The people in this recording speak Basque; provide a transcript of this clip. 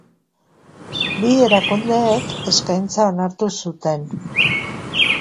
Bi erakundeek eskaintza onartu zuten.